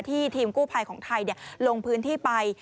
ทีมกู้ภัยของไทยลงพื้นที่ไป